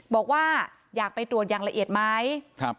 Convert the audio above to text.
บอกว่าอยากไปตรวจอย่างละเอียดไหม